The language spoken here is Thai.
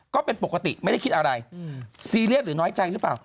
ก็เป็นปกติไม่ได้คิดอะไรซีเรียสหรือน้อยใจหรือเปล่า